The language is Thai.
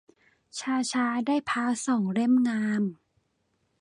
ช้าช้าได้พร้าสองเล่มงาม